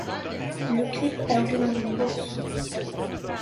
Le clip a lieu dans une bourse.